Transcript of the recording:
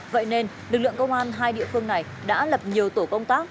vậy nên lực lượng công an hai địa phương này đã lập nhiều tổ công tác